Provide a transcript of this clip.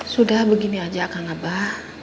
sudah begini aja kang abah